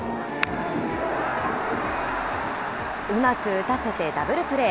うまく打たせてダブルプレー。